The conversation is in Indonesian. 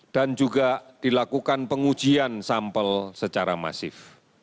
dan juga dilakukan pengujian sampel secara masif